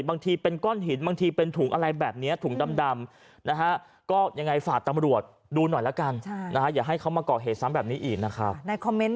บางทีเป็นก้อนหินบางทีเป็นถุงอะไรแบบนี้ถุงดำ